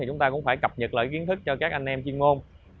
chúng ta cũng phải cập nhật lại kiến thức cho các anh em chuyên môn